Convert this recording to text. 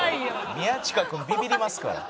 宮近君ビビりますから。